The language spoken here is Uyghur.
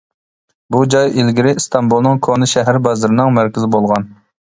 بۇ جاي ئىلگىرى ئىستانبۇلنىڭ كونا شەھەر بازىرىنىڭ مەركىزى بولغان.